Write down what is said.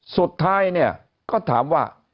สุดท้ายเนี่ยก็ถามว่า